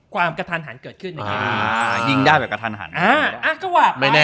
ความกระทั่นหันเกิดขึ้น